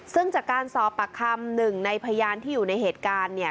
ซึ่งจากการสอบปากคำหนึ่งในพยานที่อยู่ในเหตุการณ์เนี่ย